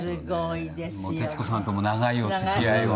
もう徹子さんとも長いお付き合いを。